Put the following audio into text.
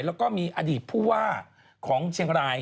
แล้วก็มีอดีตผู้ว่าของเชียงราย